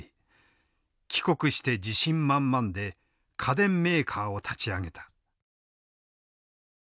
帰国して自信満々で家電メーカーを立ち上げた。